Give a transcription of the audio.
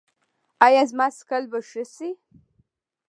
ایا زما څکل به ښه شي؟